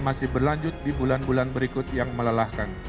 masih berlanjut di bulan bulan berikut yang melelahkan